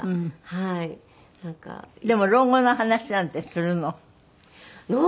でも老後の話なんてするの？